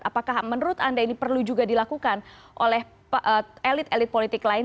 apakah menurut anda ini perlu juga dilakukan oleh elit elit politik lain